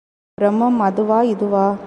பிரமம் அதுவா, இதுவா?